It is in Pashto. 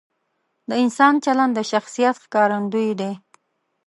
د انسان چلند د شخصیت ښکارندوی دی.